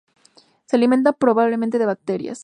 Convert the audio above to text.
Se alimentan, probablemente, de bacterias.